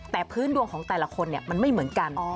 แต่พื้นดวงของแต่ละคนมันไม่เหมือนกัน